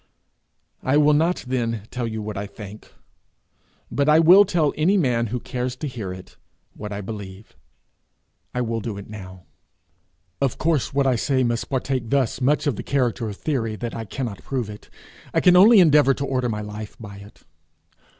I will not then tell you what I think, but I will tell any man who cares to hear it what I believe. I will do it now. Of course what I say must partake thus much of the character of theory that I cannot prove it; I can only endeavour to order my life by it.